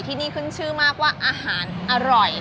ที่นี่ขึ้นชื่อมากว่าอาหารอร่อย